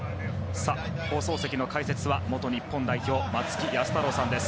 放送席の解説は元日本代表松木安太郎さんです。